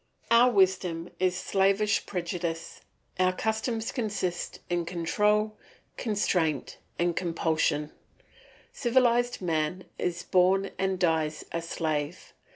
Our wisdom is slavish prejudice, our customs consist in control, constraint, compulsion. Civilised man is born and dies a slave.